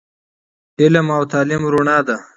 علم او تعليم رڼا ده